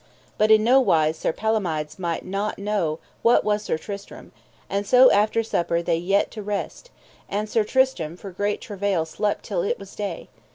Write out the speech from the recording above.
But in no wise Sir Palomides might not know what was Sir Tristram; and so after supper they yede to rest, and Sir Tristram for great travail slept till it was day.